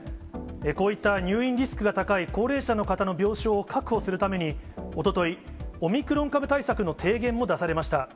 こういった入院リスクが高い高齢者の方の病床を確保するために、おととい、オミクロン株対策の提言も出されました。